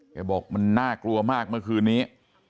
บอกมันน่ากลัวมากเมื่อคืนนี้